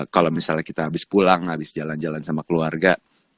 kalau misalnya kita habis pulang habis jalan jalan sama keluarga